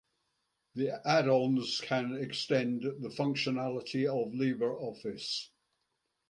The Add-Ons can extend the functionality of LibreOffice.